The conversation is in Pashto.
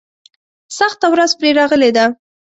سخته ورځ پرې راغلې ده.